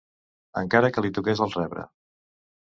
...encara que li toqués el rebre